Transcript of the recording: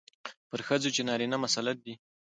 پر ښځو چې نارينه مسلط دي،